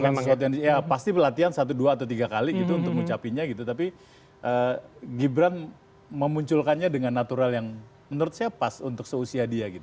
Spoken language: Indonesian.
bukan sesuatu yang pasti pelatihan satu dua atau tiga kali gitu untuk ngucapinnya gitu tapi gibran memunculkannya dengan natural yang menurut saya pas untuk seusia dia gitu